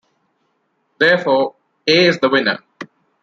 Therefore, A is the winner.